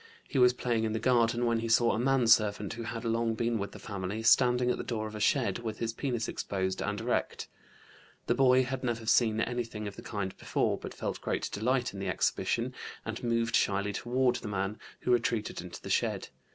He was playing in the garden when he saw a manservant who had long been with the family, standing at the door of a shed with his penis exposed and erect. The boy had never seen anything of the kind before, but felt great delight in the exhibition and moved shyly toward the man, who retreated into the shed.